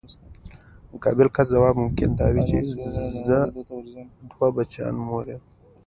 د مقابل کس ځواب ممکن دا وي چې زه د دوه بچیانو مور یم.